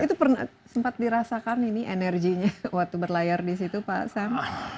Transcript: itu pernah sempat dirasakan ini energinya waktu berlayar di situ pak sam